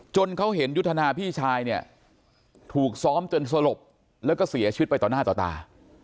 เขาเห็นยุทธนาพี่ชายเนี่ยถูกซ้อมจนสลบแล้วก็เสียชีวิตไปต่อหน้าต่อตา